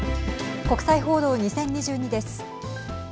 国際報道２０２２です。